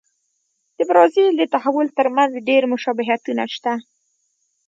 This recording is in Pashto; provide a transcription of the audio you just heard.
د برازیل د تحول ترمنځ ډېر مشابهتونه شته.